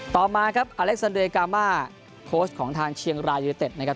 ต่อมาครับอเล็กซันเดย์กาม่าโค้ชของทางเชียงรายุทธนะครับ